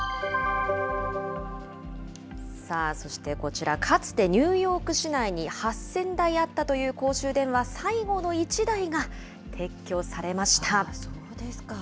さあ、そしてこちら、かつて、ニューヨーク市内に８０００台あったという公衆電話、最後の１台が撤去されました。